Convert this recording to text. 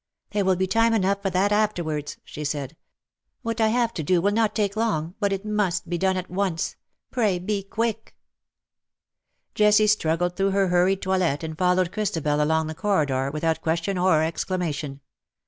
" There will be time enough for that afterwards/' she said ;" what I have to do will not take long, but it must be done at once. Pray be quick/' Jessie struggled through her hurried toilet, and followed Christabel along the corridor, without question or exclamation.